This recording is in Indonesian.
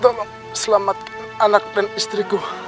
tolong selamatkan anak dan istriku